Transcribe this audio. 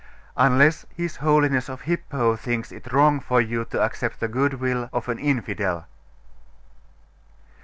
Unless his Holiness of Hippo thinks it wrong for you to accept the goodwill of an infidel?